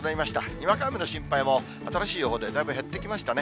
にわか雨の心配も、新しい予報で、だいぶ減ってきましたね。